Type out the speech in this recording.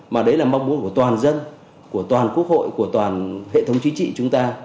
mà đấy là mong muốn của toàn dân của toàn quốc hội của toàn hệ thống chính trị chúng ta